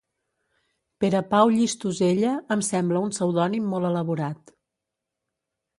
Perepau Llistosella em sembla un pseudònim molt elaborat.